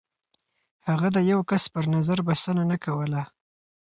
هغه د يو کس پر نظر بسنه نه کوله.